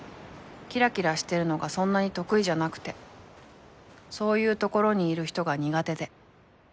［きらきらしてるのがそんなに得意じゃなくてそういうところにいる人が苦手で］